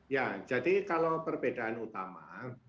ya jadi kalau perbedaan utama